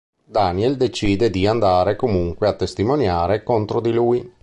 Daniel decide di andare comunque a testimoniare contro di lui.